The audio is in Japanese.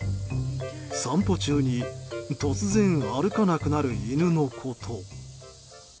散歩中に突然、歩かなくなる犬のこと。